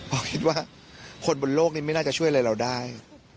เพราะคิดว่าคนบนโลกนี้ไม่น่าจะช่วยอะไรเราได้